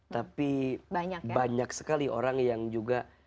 tapi banyak sekali orang yang juga